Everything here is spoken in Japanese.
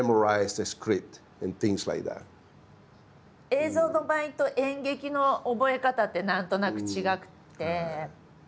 映像の場合と演劇の覚え方って何となく違くて。